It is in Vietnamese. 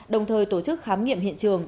đồng thời tổ chức khám nghiệm hiện trường